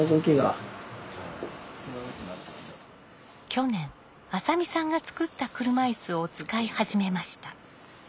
去年浅見さんが作った車いすを使い始めました。